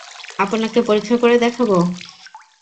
আপনাকে পরীক্ষা করে দেখবো?